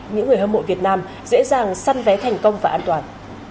những người hâm mộ việt nam dễ dàng săn vé thành công và an toàn